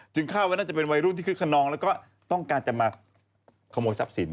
คาดว่าน่าจะเป็นวัยรุ่นที่คึกขนองแล้วก็ต้องการจะมาขโมยทรัพย์สิน